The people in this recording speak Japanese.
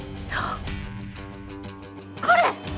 これ！